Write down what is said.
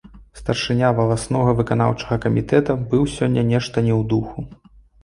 Старшыня валаснога выканаўчага камітэта быў сёння нешта не ў духу.